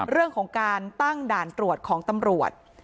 เรื่องของการตั้งด่านตรวจของตำรวจ